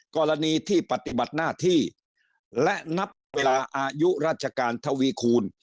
กรณีที่ปฏิบัติหน้าที่และนับเวลาอายุราชการทวีคูณ